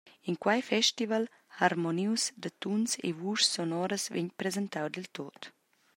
En quei festival harmonius da tuns e vuschs sonoras vegn presentau diltut.